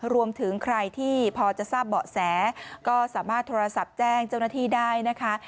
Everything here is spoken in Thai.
รวมถึงใครที่พอจะทราบเบาะแสก็สามารถโทรศัพท์แจ้งเจ้าหน้าที่ได้นะคะ